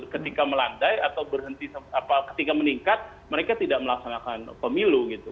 ketika melandai atau berhenti ketika meningkat mereka tidak melaksanakan pemilu gitu